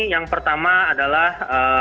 yang pertama adalah